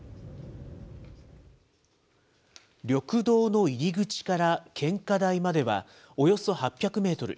緑道の入り口から献花台までは、およそ８００メートル。